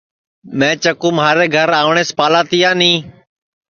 میں چکُو مھارے گھر آوٹؔیس پالا تیانی